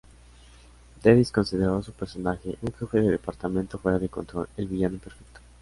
Davies consideró su personaje, "un jefe de departamento fuera de control", el villano perfecto.